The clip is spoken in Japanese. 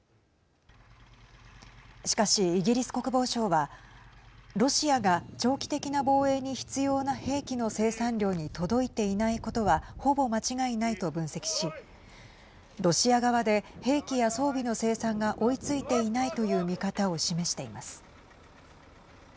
しかし、イギリス国防省はロシアが長期的な防衛に必要な兵器の生産量に届いていないことはほぼ間違いないと分析しロシア側で兵器や装備の生産が追いついていないという見方を示しています。